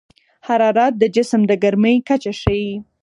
حرارت د جسم د ګرمۍ کچه ښيي.